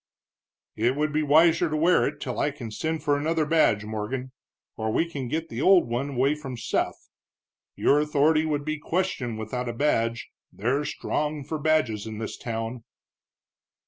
"It would be wiser to wear it till I can send for another badge, Morgan, or we can get the old one away from Seth. Your authority would be questioned without a badge, they're strong for badges in this town."